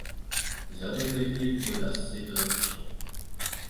Зараз да іх ліку дадасца і беларуская.